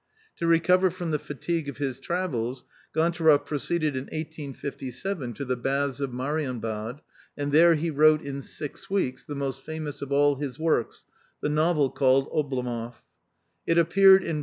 To recover from the fatigue of his travels, Gon tcharoff proceeded in 1857 to the baths of Marienbad, and there he wrote, in six weeks, the most famous of all his works, the novel called Oblomoff.